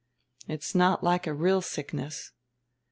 "It's not like a real sickness...."